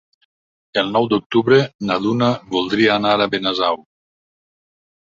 El nou d'octubre na Duna voldria anar a Benasau.